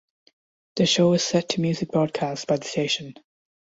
The show is set to music broadcast by the station.